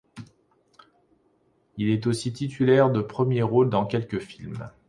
Il est aussi titulaire de premiers rôles dans quelques films.